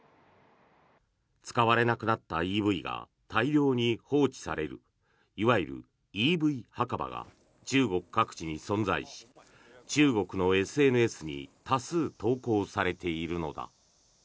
使われなくなったＥＶが大量に放置されるいわゆるＥＶ墓場が中国各地に存在し中国のＳＮＳに多数投稿されているのだ。